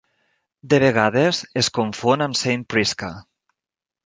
De vegades es confon amb Saint Prisca.